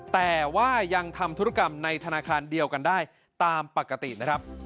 แต่ว่ายังทำธุรกรรมในธนาคารเดียวกันได้ตามปกตินะครับ